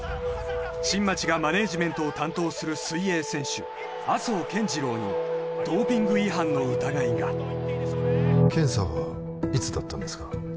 新町がマネージメントを担当する水泳選手麻生健次郎にドーピング違反の疑いが検査はいつだったんですか？